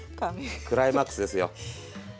クライマックスですよ。